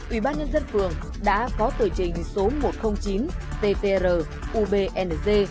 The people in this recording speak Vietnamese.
ủy ban nhân dân phường đã có tờ trình số một trăm linh chín ttr ubng